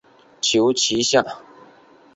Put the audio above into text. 求其下